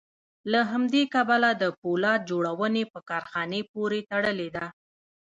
له همدې کبله د پولاد جوړونې په کارخانې پورې تړلې ده